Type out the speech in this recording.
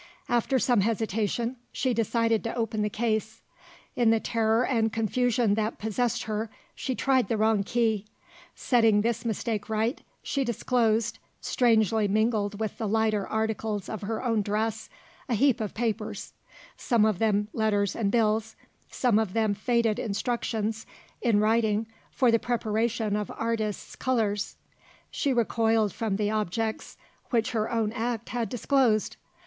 After some hesitation, she decided to open the case. In the terror and confusion that possessed her, she tried the wrong key. Setting this mistake right, she disclosed strangely mingled with the lighter articles of her own dress a heap of papers; some of them letters and bills; some of them faded instructions in writing for the preparation of artists' colours. She recoiled from the objects which her own act had disclosed.